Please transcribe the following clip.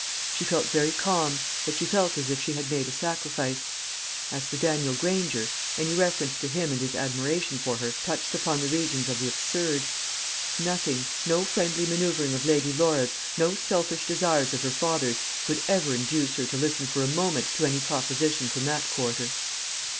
She felt very calm, but she felt as if she had made a sacrifice. As for Daniel Granger, any reference to him and his admiration for her touched upon the regions of the absurd. Nothing no friendly manoeuvring of Lady Laura's, no selfish desires of her father's could ever induce her to listen for a moment to any proposition from that quarter.